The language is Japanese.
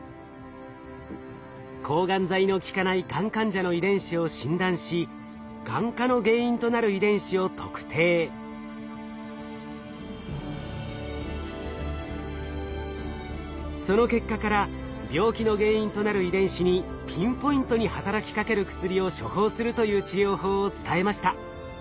抗がん剤の効かないがん患者の遺伝子を診断しその結果から病気の原因となる遺伝子にピンポイントに働きかける薬を処方するという治療法を伝えました。